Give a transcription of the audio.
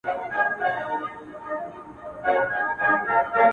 هم راته غم راکړه ته، او هم رباب راکه.